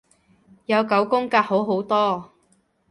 有九宮格好好多